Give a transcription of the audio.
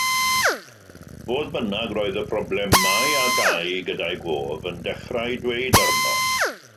Fodd bynnag roedd y problemau a gâi gyda'i gof yn dechrau dweud arno.